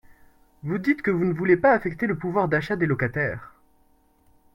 Vous dites que vous ne voulez pas affecter le pouvoir d’achat des locataires.